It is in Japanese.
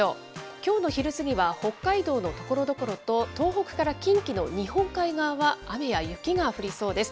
きょうの昼過ぎは北海道のところどころと、東北から近畿の日本海側は雨や雪が降りそうです。